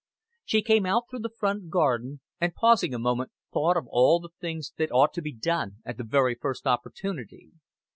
She came out through the front garden, and pausing a moment thought of all the things that ought to be done at the very first opportunity.